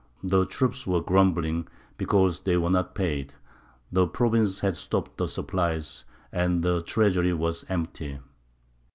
The troops were grumbling because they were not paid. The provinces had stopped the supplies, and the treasury was empty.